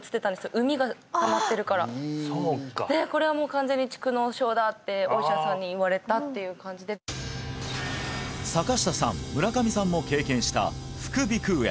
うみがたまってるからでこれはもう完全に蓄膿症だってお医者さんに言われたっていう感じで坂下さん村上さんも経験した副鼻腔炎